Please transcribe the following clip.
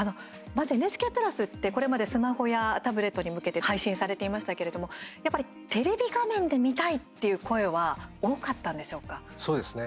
まず、ＮＨＫプラスってこれまでスマホやタブレットに向けて配信されていましたけれどもやっぱりテレビ画面で見たいってそうですね。